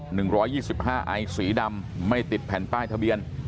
หนึ่งร้อยยี่สิบห้าไอสีดำไม่ติดแผ่นป้ายทะเบียน